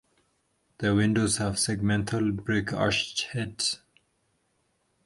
The windows have segmental brick arched heads.